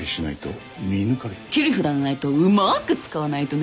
切り札のナイトをうまく使わないとね。